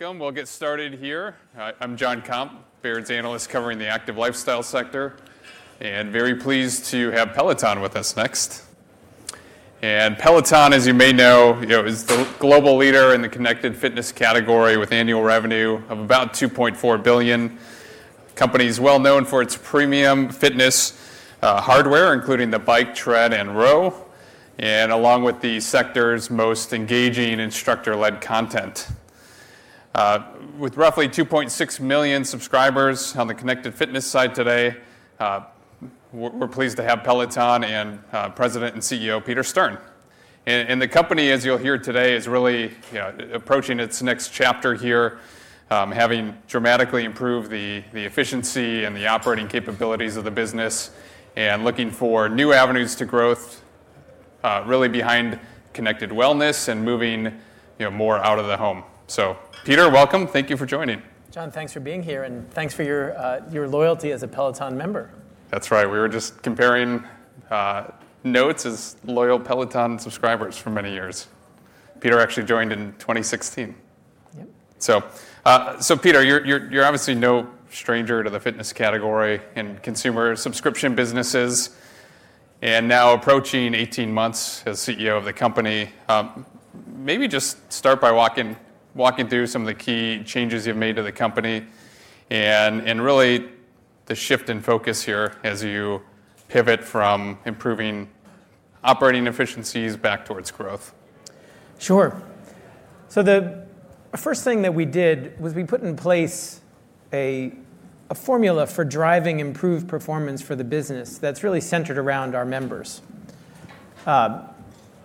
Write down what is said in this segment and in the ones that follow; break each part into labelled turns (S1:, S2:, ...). S1: Welcome. We'll get started here. I'm Jon Komp, Baird's Analyst covering the Active Lifestyle sector. Very pleased to have Peloton with us next. Peloton, as you may know, is the global leader in the connected fitness category, with annual revenue of about $2.4 billion. Company's well known for its premium fitness hardware, including the Bike, Tread, and Row. Along with the sector's most engaging instructor-led content. With roughly 2.6 million subscribers on the connected fitness side today, we're pleased to have Peloton and President and CEO Peter Stern. The company, as you'll hear today, is really approaching its next chapter here, having dramatically improved the efficiency and the operating capabilities of the business and looking for new avenues to growth, really behind connected wellness and moving more out of the home. Peter, welcome. Thank you for joining.
S2: Jon, thanks for being here, and thanks for your loyalty as a Peloton member.
S1: That's right. We were just comparing notes as loyal Peloton subscribers for many years. Peter actually joined in 2016.
S2: Yep.
S1: Peter, you're obviously no stranger to the fitness category and consumer subscription businesses, and now approaching 18 months as CEO of the company. Maybe just start by walking through some of the key changes you've made to the company, and really the shift in focus here as you pivot from improving operating efficiencies back towards growth.
S2: Sure. The first thing that we did was we put in place a formula for driving improved performance for the business that's really centered around our members.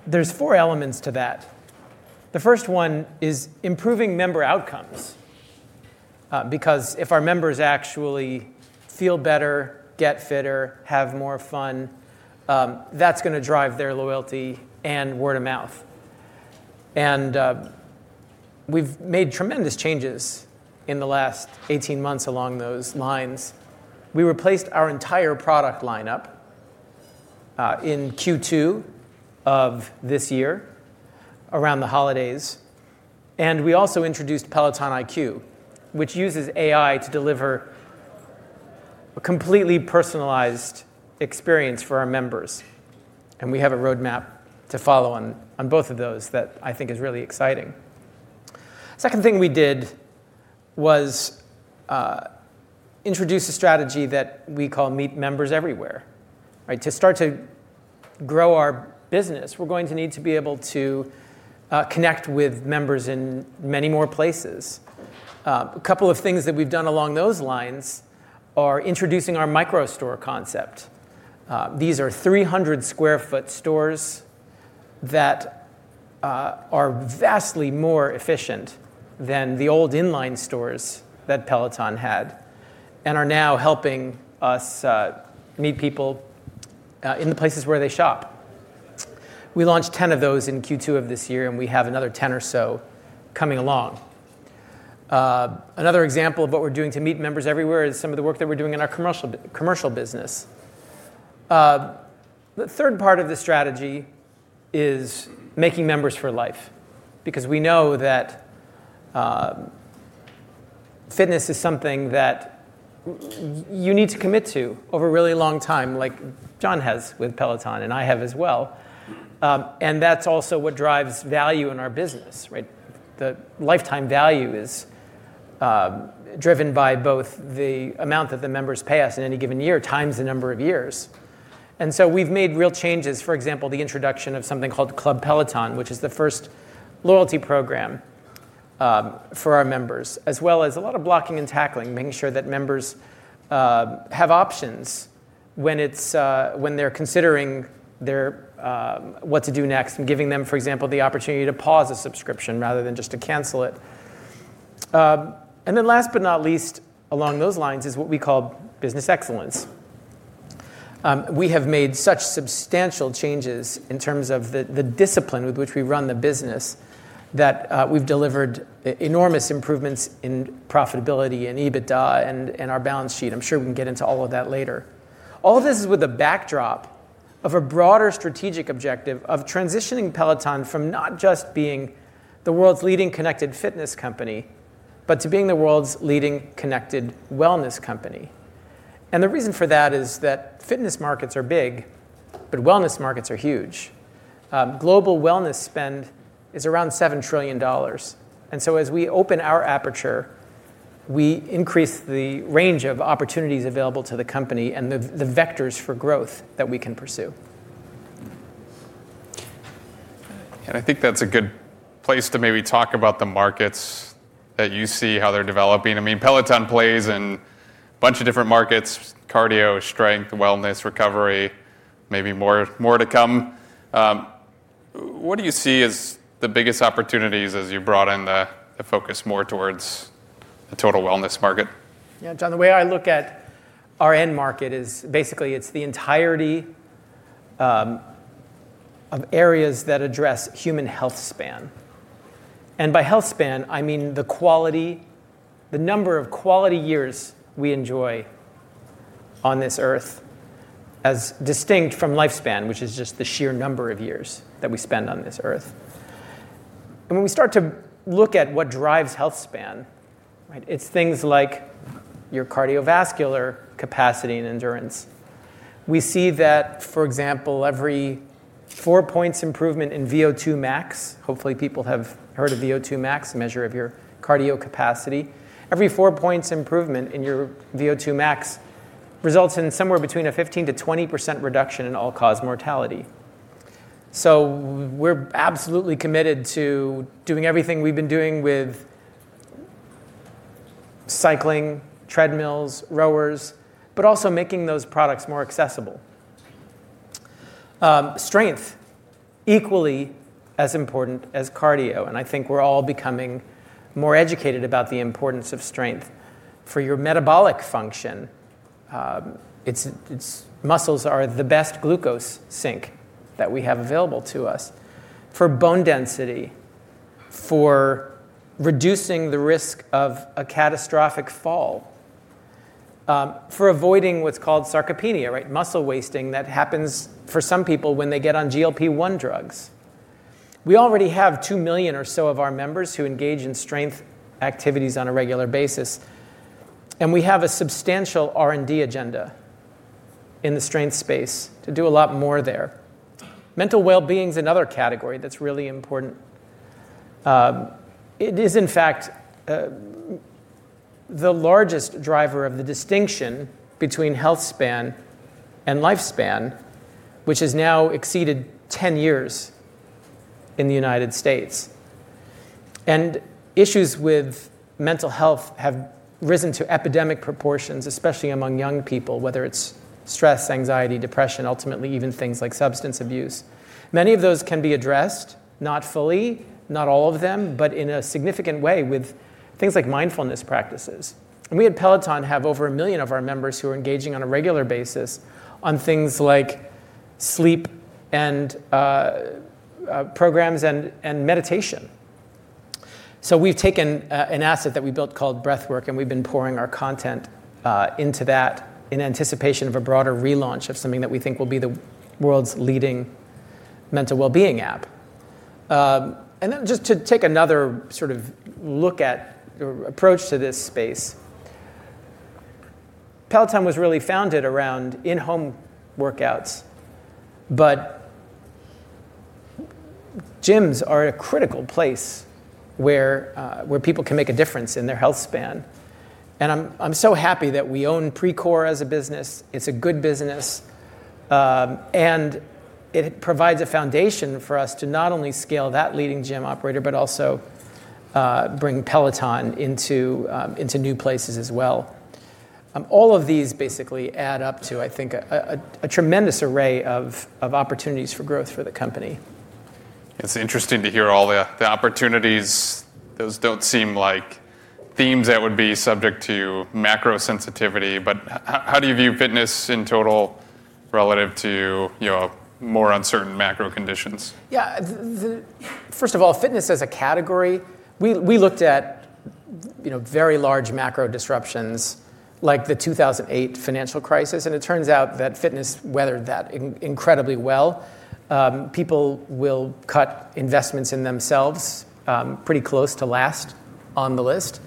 S2: There's four elements to that. The first one is improving member outcomes, because if our members actually feel better, get fitter, have more fun, that's going to drive their loyalty and word of mouth. We've made tremendous changes in the last 18 months along those lines. We replaced our entire product lineup in Q2 of this year around the holidays. We also introduced Peloton IQ, which uses AI to deliver a completely personalized experience for our members, and we have a roadmap to follow on both of those that I think is really exciting. Second thing we did was introduce a strategy that we call Meet Members Everywhere. To start to grow our business, we're going to need to be able to connect with members in many more places. A couple of things that we've done along those lines are introducing our micro store concept. These are 300 sq ft stores that are vastly more efficient than the old inline stores that Peloton had and are now helping us meet people in the places where they shop. We launched 10 of those in Q2 of this year, and we have another 10 or so coming along. Another example of what we're doing to meet members everywhere is some of the work that we're doing in our commercial business. The third part of this strategy is making members for life, because we know that fitness is something that you need to commit to over a really long time, like Jon has with Peloton, and I have as well. That's also what drives value in our business, right? The lifetime value is driven by both the amount that the members pay us in any given year times the number of years. So we've made real changes. For example, the introduction of something called Club Peloton, which is the first loyalty program for our members, as well as a lot of blocking and tackling, making sure that members have options when they're considering what to do next and giving them, for example, the opportunity to pause a subscription rather than just to cancel it. Then last but not least along those lines is what we call business excellence. We have made such substantial changes in terms of the discipline with which we run the business, that we've delivered enormous improvements in profitability and EBITDA and our balance sheet. I'm sure we can get into all of that later. All of this is with a backdrop of a broader strategic objective of transitioning Peloton from not just being the world's leading connected fitness company, but to being the world's leading connected wellness company. The reason for that is that fitness markets are big, but wellness markets are huge. Global wellness spend is around $7 trillion. As we open our aperture, we increase the range of opportunities available to the company and the vectors for growth that we can pursue.
S1: I think that's a good place to maybe talk about the markets that you see how they're developing. Peloton plays in a bunch of different markets, cardio, strength, wellness, recovery, maybe more to come. What do you see as the biggest opportunities as you brought in the focus more towards the total wellness market?
S2: Yeah, Jon, the way I look at our end market is basically it's the entirety of areas that address human healthspan. By healthspan, I mean the number of quality years we enjoy on this earth as distinct from lifespan, which is just the sheer number of years that we spend on this earth. When we start to look at what drives healthspan, it's things like your cardiovascular capacity and endurance. We see that, for example, every four points improvement in VO2 max, hopefully people have heard of VO2 max, a measure of your cardio capacity. Every four points improvement in your VO2 max results in somewhere between a 15%-20% reduction in all-cause mortality. We're absolutely committed to doing everything we've been doing with cycling, treadmills, rowers, but also making those products more accessible. Strength, equally as important as cardio. I think we're all becoming more educated about the importance of strength for your metabolic function. Its muscles are the best glucose sink that we have available to us for bone density, for reducing the risk of a catastrophic fall, for avoiding what's called sarcopenia, muscle wasting that happens for some people when they get on GLP-1 drugs. We already have 2 million or so of our members who engage in strength activities on a regular basis. We have a substantial R&D agenda in the strength space to do a lot more there. Mental wellbeing's another category that's really important. It is, in fact, the largest driver of the distinction between healthspan and lifespan, which has now exceeded 10 years in the United States. Issues with mental health have risen to epidemic proportions, especially among young people, whether it's stress, anxiety, depression, ultimately even things like substance abuse. Many of those can be addressed, not fully, not all of them, but in a significant way with things like mindfulness practices. We at Peloton have over a million of our members who are engaging on a regular basis on things like sleep and programs and meditation. We've taken an asset that we built called Breathwrk, and we've been pouring our content into that in anticipation of a broader relaunch of something that we think will be the world's leading mental wellbeing app. Just to take another look at approach to this space. Peloton was really founded around in-home workouts, but gyms are a critical place where people can make a difference in their healthspan. I'm so happy that we own Precor as a business. It's a good business. It provides a foundation for us to not only scale that leading gym operator, but also bring Peloton into new places as well. All of these basically add up to, I think, a tremendous array of opportunities for growth for the company.
S1: It's interesting to hear all the opportunities. Those don't seem like themes that would be subject to macro sensitivity. How do you view fitness in total relative to more uncertain macro conditions?
S2: Yeah. First of all, fitness as a category, we looked at very large macro disruptions like the 2008 financial crisis. It turns out that fitness weathered that incredibly well. People will cut investments in themselves, pretty close to last on the list.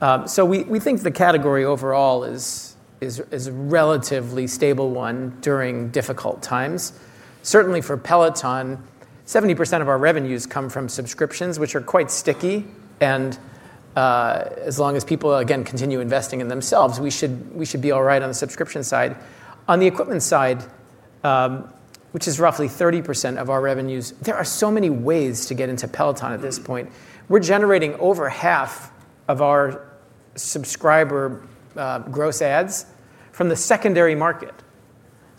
S2: We think the category overall is a relatively stable one during difficult times. Certainly for Peloton, 70% of our revenues come from subscriptions, which are quite sticky, and as long as people, again, continue investing in themselves, we should be all right on the subscription side. On the equipment side, which is roughly 30% of our revenues, there are so many ways to get into Peloton at this point. We're generating over 1/2 of our subscriber gross adds from the secondary market.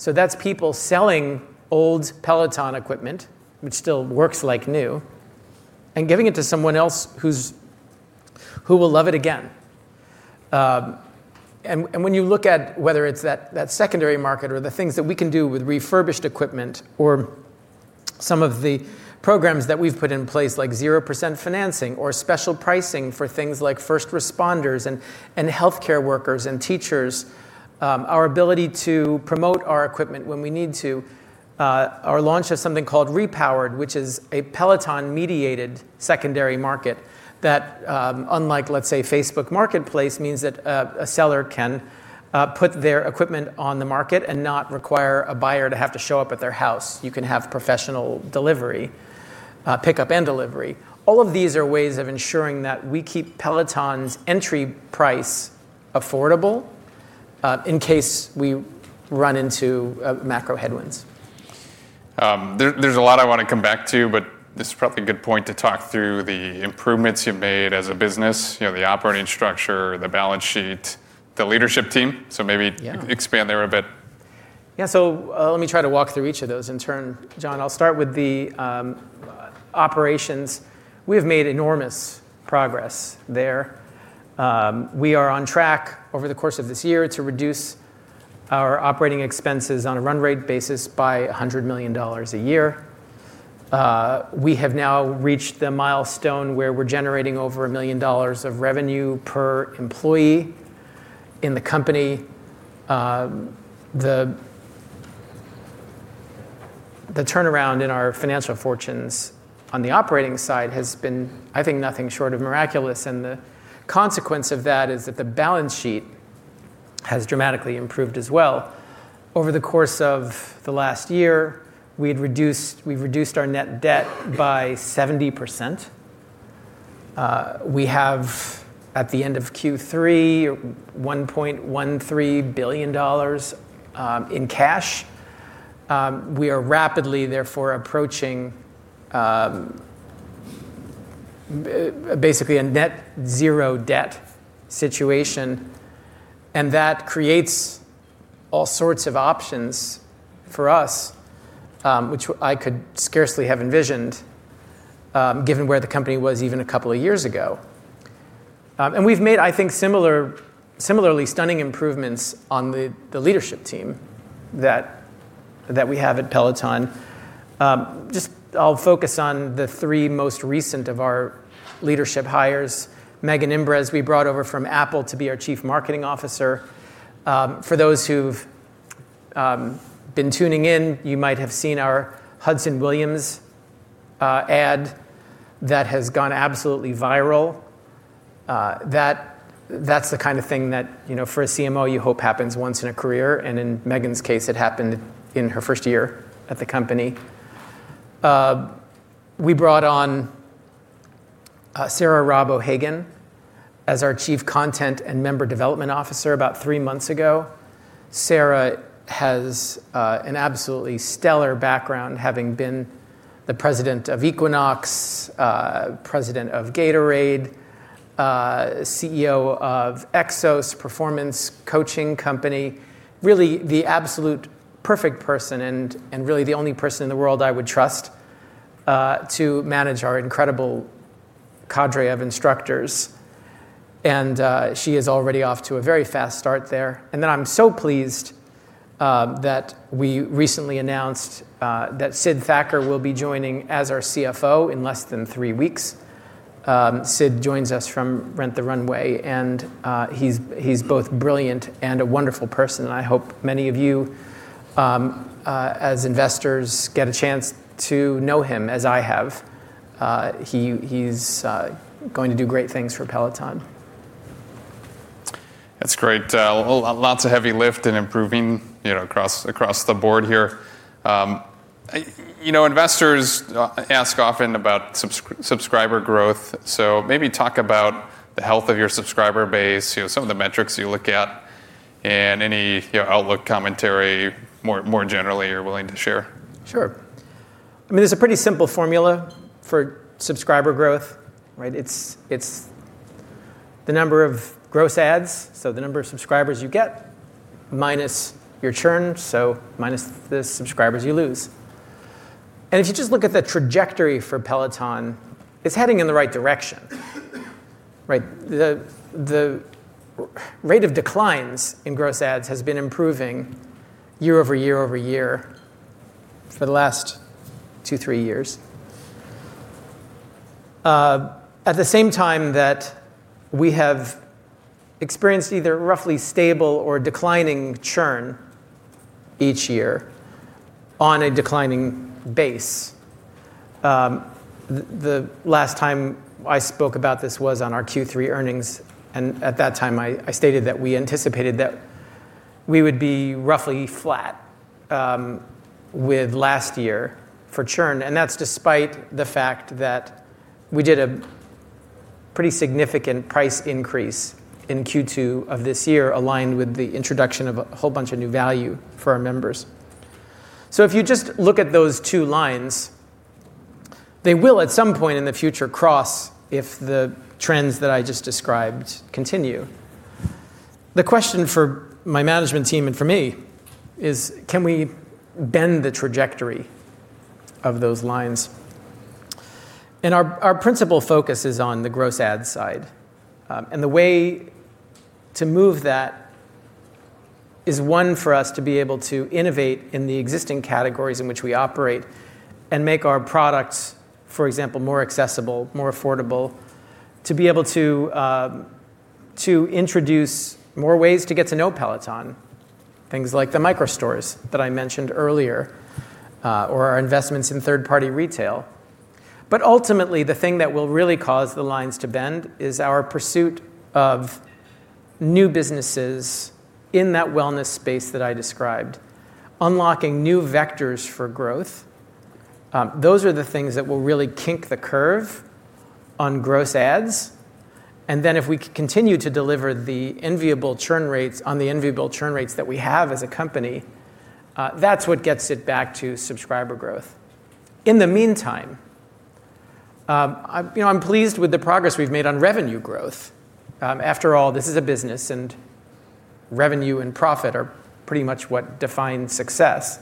S2: That's people selling old Peloton equipment, which still works like new, and giving it to someone else who will love it again. When you look at whether it's that secondary market or the things that we can do with refurbished equipment or some of the programs that we've put in place, like 0% financing or special pricing for things like first responders and healthcare workers and teachers, our ability to promote our equipment when we need to, our launch of something called Repowered, which is a Peloton mediated secondary market that, unlike, let's say, Facebook Marketplace, means that a seller can put their equipment on the market and not require a buyer to have to show up at their house. You can have professional pickup and delivery. All of these are ways of ensuring that we keep Peloton's entry price affordable, in case we run into macro headwinds.
S1: There's a lot I want to come back to, but this is probably a good point to talk through the improvements you've made as a business, the operating structure, the balance sheet, the leadership team.
S2: Yeah
S1: Expand there a bit.
S2: Let me try to walk through each of those in turn, Jon. I'll start with the operations. We have made enormous progress there. We are on track over the course of this year to reduce our operating expenses on a run rate basis by $100 million a year. We have now reached the milestone where we're generating over $1 million of revenue per employee in the company. The turnaround in our financial fortunes on the operating side has been, I think, nothing short of miraculous and the consequence of that is that the balance sheet has dramatically improved as well. Over the course of the last year, we've reduced our net debt by 70%. We have, at the end of Q3, $1.13 billion in cash. We are rapidly, therefore, approaching basically a net zero debt situation, that creates all sorts of options for us, which I could scarcely have envisioned, given where the company was even a couple of years ago. We've made, I think, similarly stunning improvements on the leadership team that we have at Peloton. Just, I'll focus on the three most recent of our leadership hires. Megan Imbres, we brought over from Apple to be our Chief Marketing Officer. For those who've been tuning in, you might have seen our Hudson Williams ad that has gone absolutely viral. That's the kind of thing that, for a CMO, you hope happens once in a career, and in Megan's case, it happened in her first year at the company. We brought on Sarah Robb O'Hagan as our Chief Content and Member Development Officer about three months ago. Sarah has an absolutely stellar background, having been the President of Equinox, President of Gatorade, CEO of Exos Performance Coaching Company. Really, the absolute perfect person and really the only person in the world I would trust to manage our incredible cadre of instructors. She is already off to a very fast start there. I'm so pleased that we recently announced that Sid Thacker will be joining as our CFO in less than three weeks. Sid joins us from Rent the Runway, and he's both brilliant and a wonderful person. I hope many of you, as investors, get a chance to know him as I have. He's going to do great things for Peloton.
S1: That's great. Lots of heavy lift and improving across the board here. Investors ask often about subscriber growth. Maybe talk about the health of your subscriber base, some of the metrics you look at, and any outlook commentary, more generally, you're willing to share.
S2: Sure. There's a pretty simple formula for subscriber growth, right? It's the number of gross adds, so the number of subscribers you get, minus your churn, so minus the subscribers you lose. If you just look at the trajectory for Peloton, it's heading in the right direction. Right? The rate of declines in gross adds has been improving year-over-year over year for the last two, three years. At the same time that we have experienced either roughly stable or declining churn each year on a declining base. The last time I spoke about this was on our Q3 earnings. At that time, I stated that we anticipated that we would be roughly flat with last year for churn. That's despite the fact that we did a pretty significant price increase in Q2 of this year, aligned with the introduction of a whole bunch of new value for our members. If you just look at those two lines, they will at some point in the future cross if the trends that I just described continue. The question for my management team and for me is can we bend the trajectory of those lines? Our principal focus is on the gross adds side. The way to move that is, one, for us to be able to innovate in the existing categories in which we operate and make our products, for example, more accessible, more affordable. To be able to introduce more ways to get to know Peloton, things like the micro stores that I mentioned earlier, or our investments in third-party retail. Ultimately, the thing that will really cause the lines to bend is our pursuit of new businesses in that wellness space that I described. Unlocking new vectors for growth. Those are the things that will really kink the curve on gross adds, and then if we continue to deliver on the enviable churn rates that we have as a company, that's what gets it back to subscriber growth. In the meantime, I'm pleased with the progress we've made on revenue growth. After all, this is a business and revenue and profit are pretty much what define success.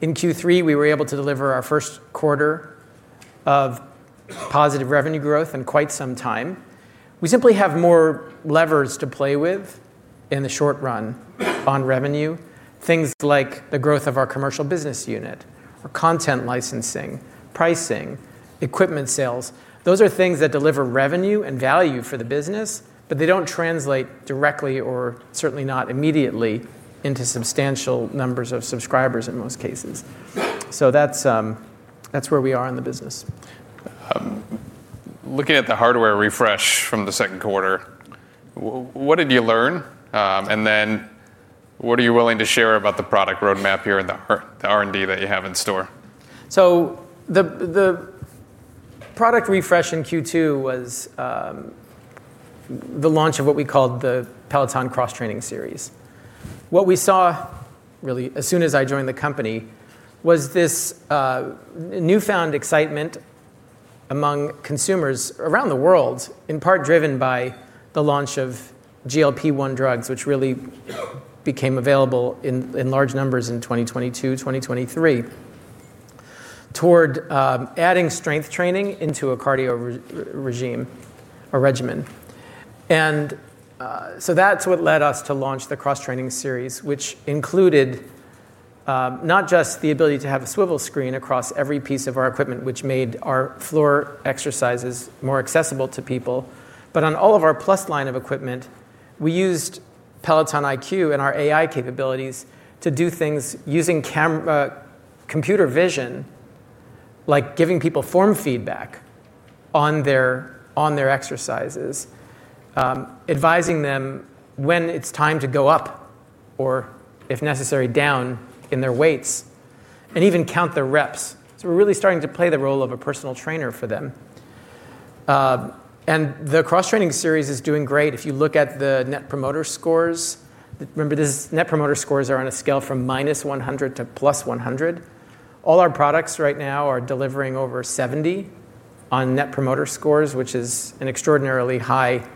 S2: In Q3, we were able to deliver our first quarter of positive revenue growth in quite some time. We simply have more levers to play with in the short run on revenue. Things like the growth of our commercial business unit, our content licensing, pricing, equipment sales. Those are things that deliver revenue and value for the business, but they don't translate directly or certainly not immediately into substantial numbers of subscribers in most cases. That's where we are in the business.
S1: Looking at the hardware refresh from the second quarter, what did you learn? What are you willing to share about the product roadmap here and the R&D that you have in store?
S2: The product refresh in Q2 was the launch of what we called the Peloton Cross Training Series. What we saw, really as soon as I joined the company, was this newfound excitement among consumers around the world, in part driven by the launch of GLP-1 drugs, which really became available in large numbers in 2022, 2023, toward adding strength training into a cardio regimen. That's what led us to launch the Cross Training Series, which included not just the ability to have a swivel screen across every piece of our equipment, which made our floor exercises more accessible to people, but on all of our + line of equipment, we used Peloton IQ and our AI capabilities to do things using computer vision, like giving people form feedback on their exercises, advising them when it's time to go up or, if necessary, down in their weights, and even count their reps. We're really starting to play the role of a personal trainer for them. The Cross Training Series is doing great. If you look at the Net Promoter Scores, remember, Net Promoter Scores are on a scale from -100 to +100. All our products right now are delivering over 70 on Net Promoter Scores, which is an extraordinarily high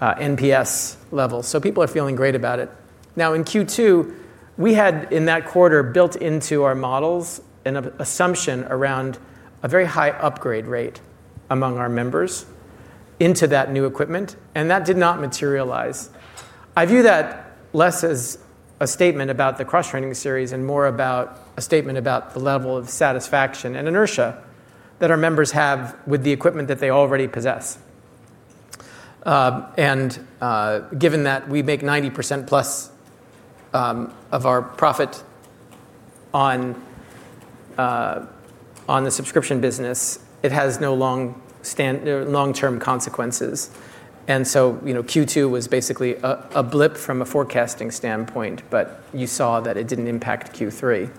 S2: NPS level. People are feeling great about it. In Q2, we had in that quarter built into our models an assumption around a very high upgrade rate among our members into that new equipment, that did not materialize. I view that less as a statement about the Cross Training Series and more about a statement about the level of satisfaction and inertia that our members have with the equipment that they already possess. Given that we make 90%+ of our profit on the subscription business, it has no long-term consequences. Q2 was basically a blip from a forecasting standpoint, you saw that it didn't impact Q3.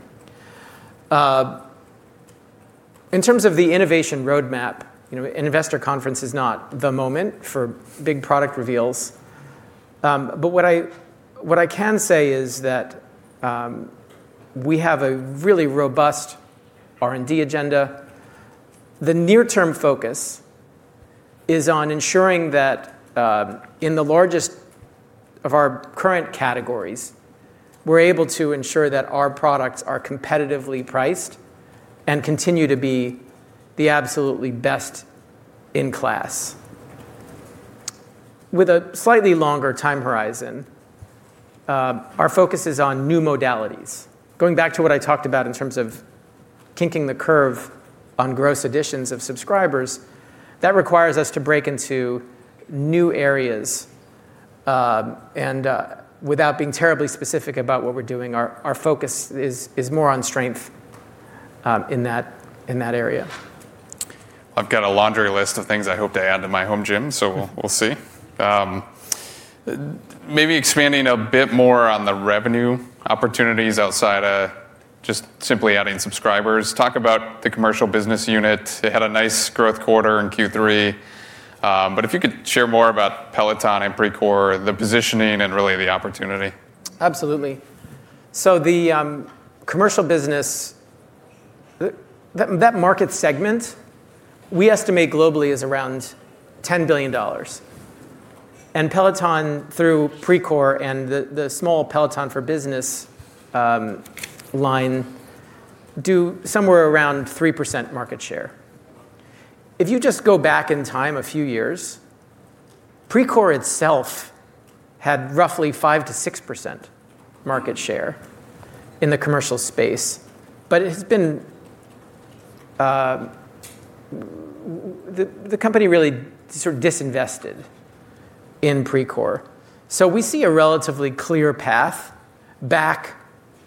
S2: In terms of the innovation roadmap, an investor conference is not the moment for big product reveals. What I can say is that we have a really robust R&D agenda. The near-term focus is on ensuring that in the largest of our current categories, we're able to ensure that our products are competitively priced and continue to be the absolutely best in class. With a slightly longer time horizon, our focus is on new modalities. Going back to what I talked about in terms of bending the curve on gross additions of subscribers, that requires us to break into new areas. Without being terribly specific about what we're doing, our focus is more on strength in that area.
S1: I've got a laundry list of things I hope to add to my home gym. We'll see. Maybe expanding a bit more on the revenue opportunities outside of just simply adding subscribers, talk about the commercial business unit. It had a nice growth quarter in Q3. If you could share more about Peloton and Precor, the positioning, and really the opportunity.
S2: Absolutely. The commercial business, that market segment, we estimate globally is around $10 billion. Peloton through Precor and the small Peloton for Business line, do somewhere around 3% market share. If you just go back in time a few years, Precor itself had roughly 5%-6% market share in the commercial space. The company really sort of disinvested in Precor. We see a relatively clear path back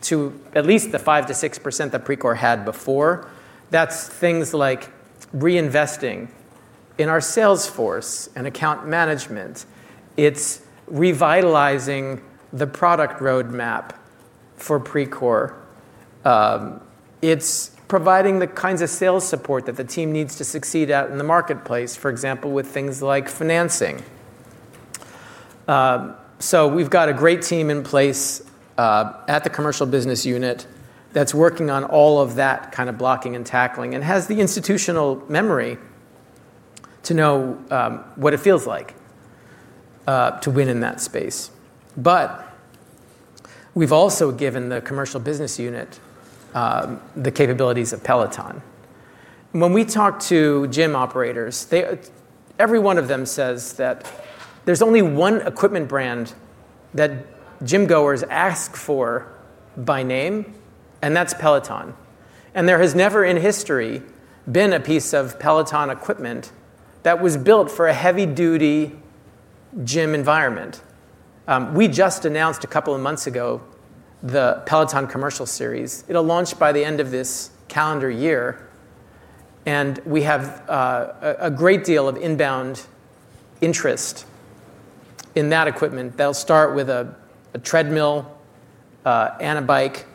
S2: to at least the 5%-6% that Precor had before. That's things like reinvesting in our sales force and account management. It's revitalizing the product roadmap for Precor. It's providing the kinds of sales support that the team needs to succeed at in the marketplace, for example, with things like financing. We've got a great team in place at the commercial business unit that's working on all of that kind of blocking and tackling and has the institutional memory to know what it feels like to win in that space. We've also given the commercial business unit the capabilities of Peloton. When we talk to gym operators, every one of them says that there's only one equipment brand that gym-goers ask for by name, and that's Peloton. There has never in history been a piece of Peloton equipment that was built for a heavy-duty gym environment. We just announced a couple of months ago the Peloton Commercial Series. It'll launch by the end of this calendar year, and we have a great deal of inbound interest in that equipment. They'll start with a treadmill and a bike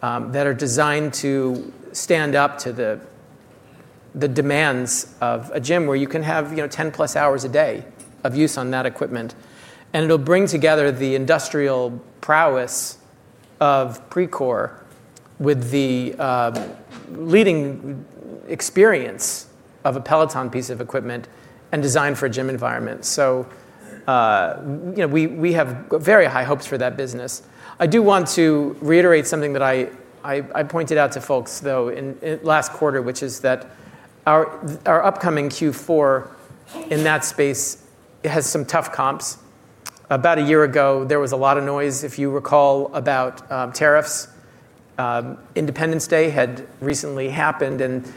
S2: that are designed to stand up to the demands of a gym where you can have 10+ hours a day of use on that equipment. It'll bring together the industrial prowess of Precor with the leading experience of a Peloton piece of equipment and designed for a gym environment. We have very high hopes for that business. I do want to reiterate something that I pointed out to folks, though, in last quarter, which is that our upcoming Q4 in that space has some tough comps. About a year ago, there was a lot of noise, if you recall, about tariffs. Independence Day had recently happened, and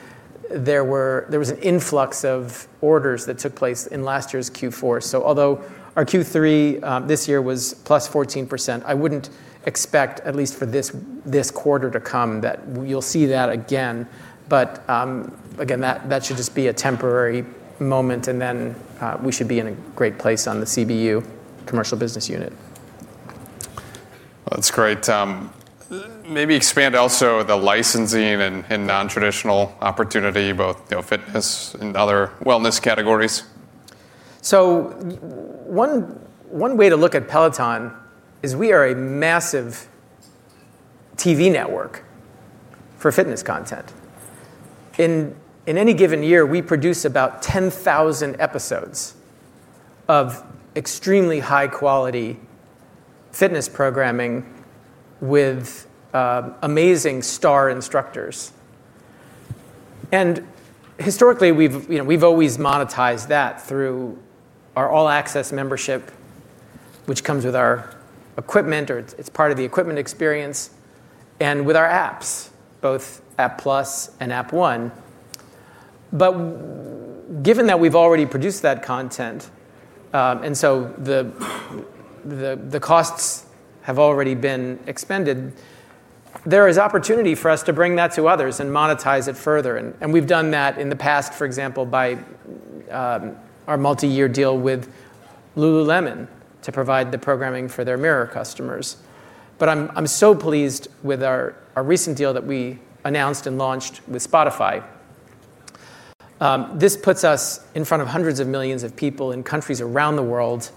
S2: there was an influx of orders that took place in last year's Q4. Although our Q3 this year was +14%, I wouldn't expect, at least for this quarter to come, that you'll see that again. Again, that should just be a temporary moment, and then we should be in a great place on the CBU, commercial business unit.
S1: That's great. Maybe expand also the licensing and non-traditional opportunity, both fitness and other wellness categories.
S2: One way to look at Peloton is we are a massive TV network for fitness content. In any given year, we produce about 10,000 episodes of extremely high-quality fitness programming with amazing star instructors. Historically, we've always monetized that through our All-Access Membership, which comes with our equipment, or it's part of the equipment experience, and with our apps, both App+ and App One. Given that we've already produced that content, and so the costs have already been expended, there is opportunity for us to bring that to others and monetize it further. We've done that in the past, for example, by our multi-year deal with Lululemon to provide the programming for their Mirror customers. I'm so pleased with our recent deal that we announced and launched with Spotify. This puts us in front of 100s of millions of people in countries around the world,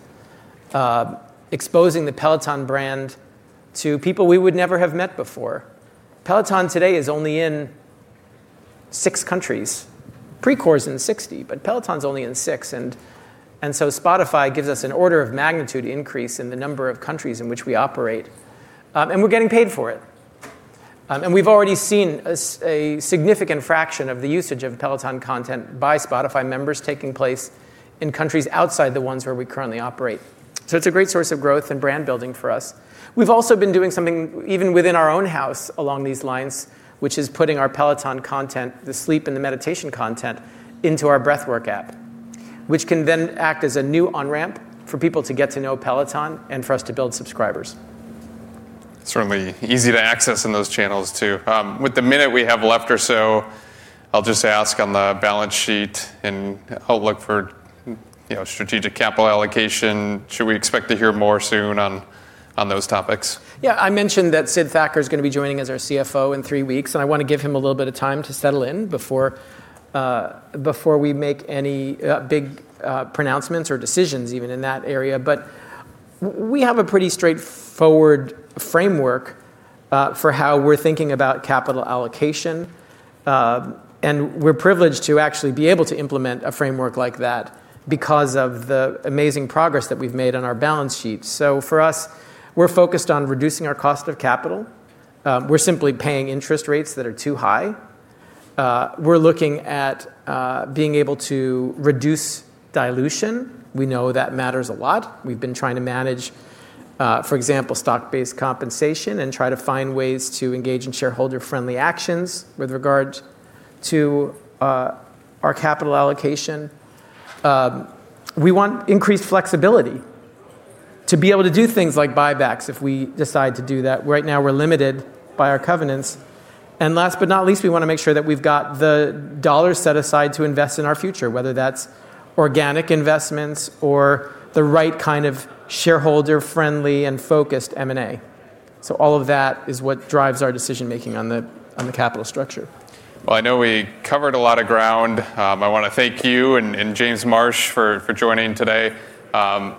S2: exposing the Peloton brand to people we would never have met before. Peloton today is only in six countries. Precor is in 60, but Peloton's only in six. Spotify gives us an order of magnitude increase in the number of countries in which we operate. We're getting paid for it. We've already seen a significant fraction of the usage of Peloton content by Spotify members taking place in countries outside the ones where we currently operate. It's a great source of growth and brand building for us. We've also been doing something even within our own house along these lines, which is putting our Peloton content, the sleep and the meditation content, into our Breathwrk app, which can then act as a new on-ramp for people to get to know Peloton and for us to build subscribers.
S1: Certainly easy to access in those channels, too. With the minute we have left or so, I'll just ask on the balance sheet and outlook for strategic capital allocation, should we expect to hear more soon on those topics?
S2: I mentioned that Sid Thacker is going to be joining as our CFO in three weeks. I want to give him a little bit of time to settle in before we make any big pronouncements or decisions even in that area. We have a pretty straightforward framework for how we're thinking about capital allocation. We're privileged to actually be able to implement a framework like that because of the amazing progress that we've made on our balance sheet. For us, we're focused on reducing our cost of capital. We're simply paying interest rates that are too high. We're looking at being able to reduce dilution. We know that matters a lot. We've been trying to manage, for example, stock-based compensation and try to find ways to engage in shareholder-friendly actions with regard to our capital allocation. We want increased flexibility to be able to do things like buybacks, if we decide to do that. Right now, we're limited by our covenants. Last but not least, we want to make sure that we've got the dollars set aside to invest in our future, whether that's organic investments or the right kind of shareholder-friendly and focused M&A. All of that is what drives our decision-making on the capital structure.
S1: Well, I know we covered a lot of ground. I want to thank you and James Marsh for joining today.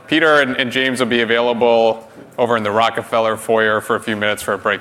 S1: Peter and James will be available over in the Rockefeller Foyer for a few minutes for a breakout.